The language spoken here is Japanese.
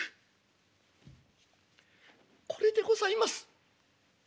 「これでございます」。